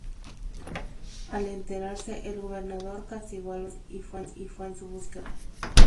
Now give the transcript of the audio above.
Al enterarse el gobernador, castigó a los guardias y fue en su búsqueda.